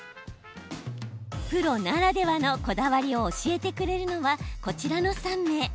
プロならではのこだわりを教えてくれるのはこちらの３名。